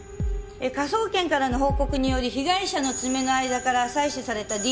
科捜研からの報告により被害者の爪の間から採取されたＤＮＡは篠崎善信と一致。